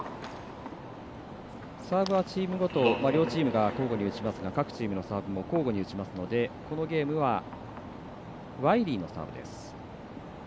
サーブはチームごと両チームが交互に打ちますが各チームのサーブも交互に打ちますのでこのゲームはワイリーのサーブです。